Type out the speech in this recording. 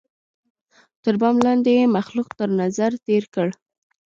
تر بام لاندي یې مخلوق تر نظر تېر کړ